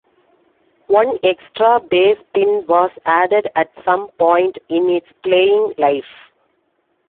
One extra bass pin was added at some point in its playing life.